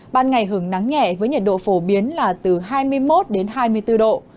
ban ngày hưởng nắng nhẹ với nhiệt độ phổ biến là từ hai mươi một đến hai mươi bốn độ